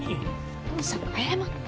お父さんも謝って。